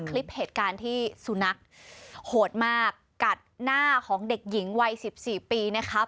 คลิปเหตุการณ์ที่สุนัขโหดมากกัดหน้าของเด็กหญิงวัย๑๔ปีนะครับ